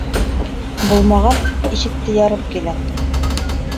Булмаған, ишекте ярып килә!